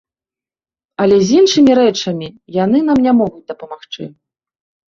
Але з іншымі рэчамі яны нам не могуць дапамагчы.